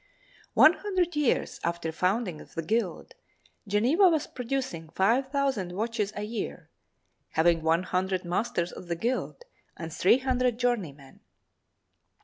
One hundred years after the founding of the guild, Geneva was producing five thousand watches a year, having one hundred masters of the guild and three hundred journeymen.